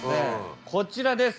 こちらです。